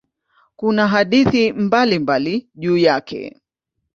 Kuna hadithi mbalimbali juu yake.